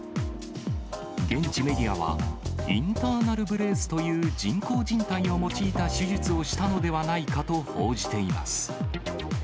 現地メディアは、インターナル・ブレースという人工じん帯を用いた手術をしたのではないかと報じています。